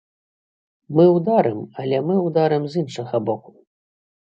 Мы ўдарым, але мы ўдарым з іншага боку.